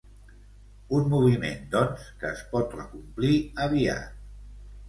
Un moviment, doncs, que es pot acomplir aviat.